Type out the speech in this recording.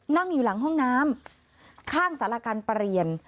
นั่งอยู่หลังห้องน้ำข้างสารการประเรียน